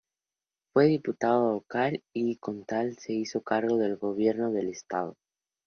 Fue diputado local y como tal se hizo cargo del gobierno del estado.